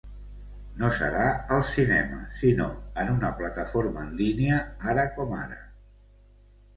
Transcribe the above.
No serà als cinemes, sinó en una plataforma en línia, ara com ara.